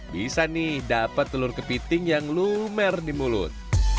bisa nih dapat telur kepiting yang lumer di mulut